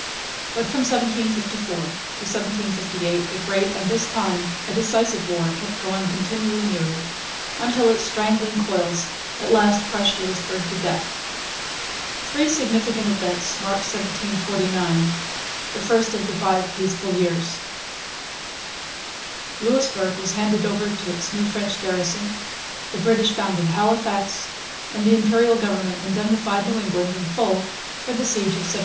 But from 1754 to 1758 a great and, this time, a decisive war kept drawing continually nearer, until its strangling coils at last crushed Louisbourg to death. Three significant events marked 1749, the first of the five peaceful years. Louisbourg was handed over to its new French garrison; the British founded Halifax; and the Imperial government indemnified New England in full for the siege of 1745.